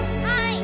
はい。